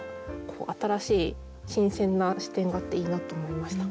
新しい新鮮な視点があっていいなと思いました。